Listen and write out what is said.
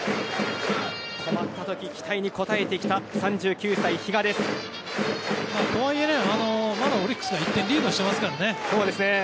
困った時、期待に応えてきたとはいえ、まだオリックスが１点リードしていますからね。